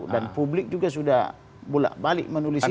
dan publik juga sudah bulat balik menulis itu